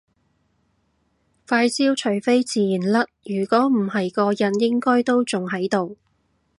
塊焦除非自然甩如果唔係個印應該都仲喺度